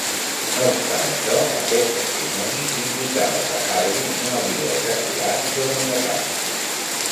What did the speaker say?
No obstant això, aquest testimoni indicava que Harvey no havia ejaculat durant l'atac.